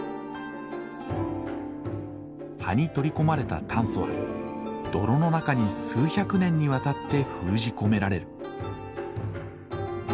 葉に取り込まれた炭素は泥の中に数百年にわたって封じ込められる。